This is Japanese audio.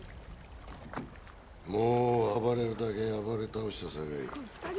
もう暴れるだけ暴れ倒したさかい。